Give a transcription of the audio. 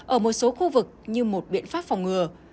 ở một số khu vực như một biện pháp phòng ngừa